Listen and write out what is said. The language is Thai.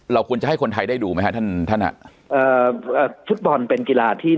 ควรจะให้คนไทยได้ดูไหมฮะท่านท่านฮะเอ่อฟุตบอลเป็นกีฬาที่